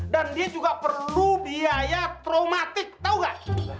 dan dia juga perlu biaya traumatik tau gak